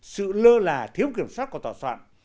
sự lơ là thiếu kiểm soát của tòa soạn